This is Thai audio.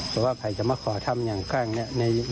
แต่ว่าใครจะมาขอทำอย่างแกล้งเนี่ย